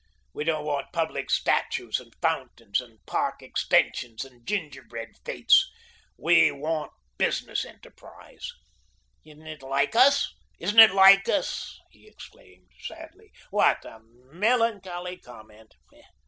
We don't want public statues, and fountains, and park extensions and gingerbread fetes. We want business enterprise. Isn't it like us? Isn't it like us?" he exclaimed sadly. "What a melancholy comment!